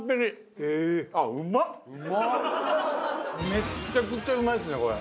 めちゃくちゃうまいですねこれ。